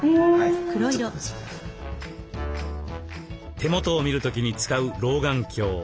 手元を見る時に使う老眼鏡。